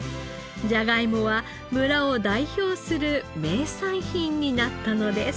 じゃがいもは村を代表する名産品になったのです。